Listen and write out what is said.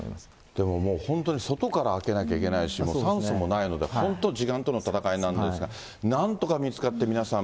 でももう本当に外から開けなきゃいけないし、酸素もないので、本当、時間との闘いなんですが、なんとか見つかって皆さん